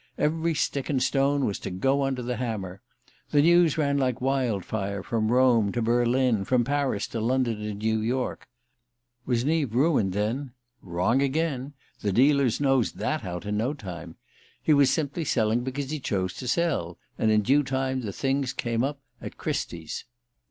Every stick and stone was to go under the hammer. The news ran like wildfire from Rome to Berlin, from Paris to London and New York. Was Neave ruined, then? Wrong again the dealers nosed that out in no time. He was simply selling because he chose to sell; and in due time the things came up at Christie's.